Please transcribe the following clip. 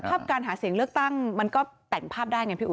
การหาเสียงเลือกตั้งมันก็แต่งภาพได้ไงพี่อุ